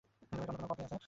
তোর কি অন্য কোন কপি আছে?